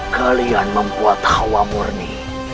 kalian membuat hawa murni